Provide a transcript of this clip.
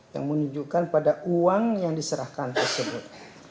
yang menunjukkan pada uang yang diserahkan tersebut